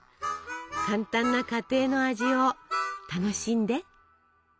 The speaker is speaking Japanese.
簡単な家庭の味を楽しんで。